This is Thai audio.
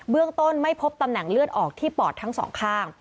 เรื่องต้นไม่พบตำแหน่งเลือดออกที่ปอดทั้งสองข้าง